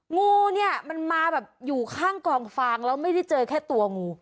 งูเนี่ยมันมาแบบอยู่ข้างกองฟางแล้วไม่ได้เจอแค่ตัวงู